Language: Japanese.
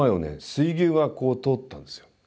水牛がこう通ったんですよ。